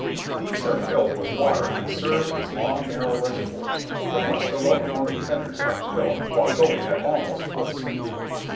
These are filled with water and serve as long, narrow reservoirs, from which the locomotive tenders are filled while going at almost full speed.